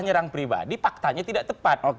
menyerang pribadi faktanya tidak tepat